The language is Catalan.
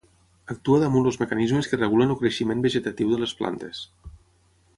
Actua damunt els mecanismes que regulen el creixement vegetatiu de les plantes.